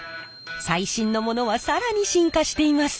最新のものは更に進化しています。